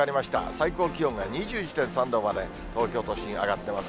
最高気温が２１．３度まで、東京都心上がってます。